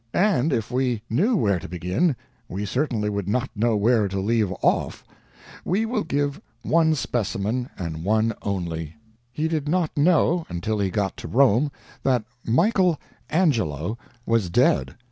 And if we knew where to begin, we certainly would not know where to leave off. We will give one specimen, and one only. He did not know, until he got to Rome, that Michael Angelo was dead!